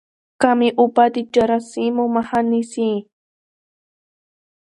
کمې اوبه د جراثیمو مخه نیسي.